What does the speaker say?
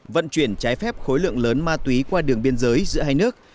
vận chuyển trái phép khối lượng lớn ma túy qua đường biên giới giữa hai nước